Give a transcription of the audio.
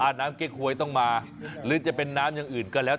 น้ำเก๊กหวยต้องมาหรือจะเป็นน้ำอย่างอื่นก็แล้ว